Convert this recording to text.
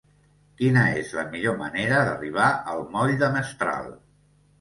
Quina és la millor manera d'arribar al moll de Mestral?